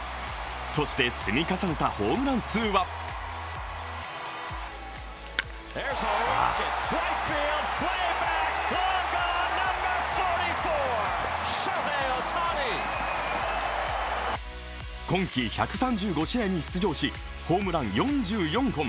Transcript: そして積み重ねたホームラン数は今季１３５試合に出場しホームラン４４本。